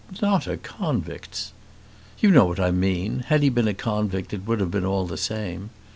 "Not a convict's!" "You know what I mean. Had he been a convict it would have been all the same.